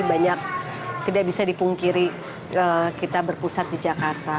banyak tidak bisa dipungkiri kita berpusat di jakarta